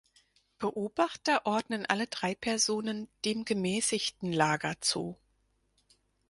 Beobachter ordnen alle drei Personen dem gemäßigten Lager zu.